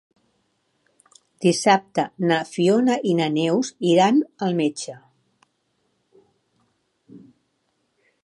Dissabte na Fiona i na Neus iran al metge.